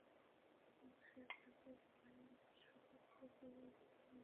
এবং সে তাদের উভয়ের নিকট শপথ করে বলল, আমি তোমাদের হিতাকাক্ষীদের একজন।